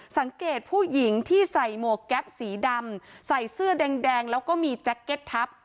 สังเกตผู้หญิงที่ใส่หมวกแก๊ปสีดำใส่เสื้อแดงแล้วก็มีแจ็คเก็ตทับ